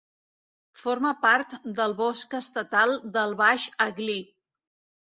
Forma part del Bosc Estatal del Baix Aglí.